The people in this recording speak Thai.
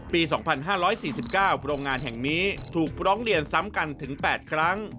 ปี๒๕๔๙โรงงานแห่งนี้ถูกร้องเรียนซ้ำกันถึง๘ครั้ง